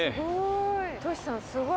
すごい。